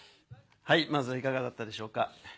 まずいかがだったでしょうか。